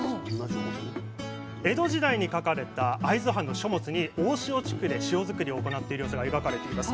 江戸時代に描かれた会津藩の書物に大塩地区で塩づくりを行っている様子が描かれています。